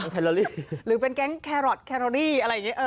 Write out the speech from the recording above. คราโรลี่หรือเป็นแก๊งแครอร์ทอะไรอย่างนี้เอ่อ